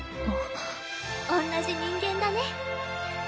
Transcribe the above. おんなじ人間だね。